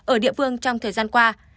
ở địa phương trong thời gian qua